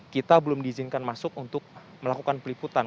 kita belum diizinkan masuk untuk melakukan peliputan